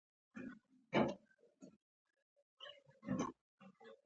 جامې په هماغه پخوانۍ اندازه پاتې کیږي.